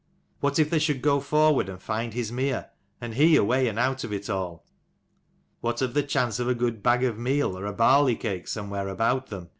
What if they should go forward and find his mere, and he away and out of it all ? What of the chance of a good bag of meal or a barley cake somewhere about them